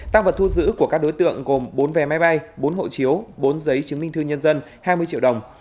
tăng vật thu giữ của các đối tượng gồm bốn vé máy bay bốn hộ chiếu bốn giấy chứng minh thư nhân dân hai mươi triệu đồng